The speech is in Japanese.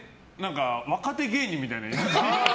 若手芸人みたいな家。